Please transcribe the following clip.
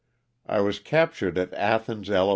I was captured at Athens, Ala.